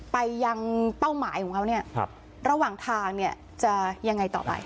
ไปยังเป้าหมายของเขาเนี่ยระหว่างทางเนี่ยจะยังไงต่อไป